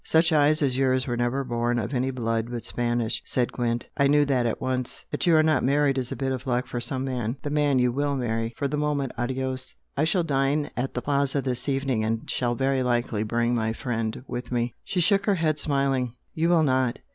"Such eyes as yours were never born of any blood but Spanish!" said Gwent "I knew that at once! That you are not married is a bit of luck for some man the man you WILL marry! For the moment adios! I shall dine at the Plaza this evening, and shall very likely bring my friend with me." She shook her head smiling. "You will not!"